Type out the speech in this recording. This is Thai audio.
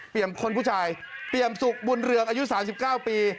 คนผู้ชายเปรียมสุขบุญเรืองอายุ๓๙ปี